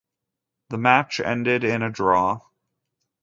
The match ended in a draw.